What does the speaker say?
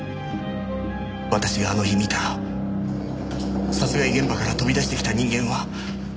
私があの日見た殺害現場から飛び出してきた人間は。